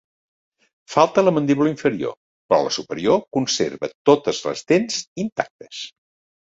Falta la mandíbula inferior, però la superior conserva totes les dents intactes.